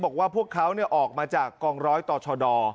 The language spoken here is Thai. บอกว่าพวกเขาออกมาจากกองร้อยต่อชด